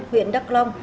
huyện đắk long